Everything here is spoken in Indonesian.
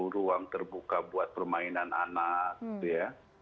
ruang terbuka buat permainan anak gitu ya